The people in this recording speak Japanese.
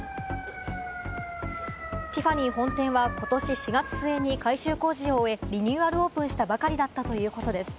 ティファニー本店はことし４月末に改修工事を終え、リニューアルオープンしたばかりだったということです。